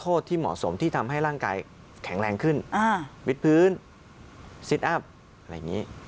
ออกสร้างสรรค์หน่อยใชม่ะ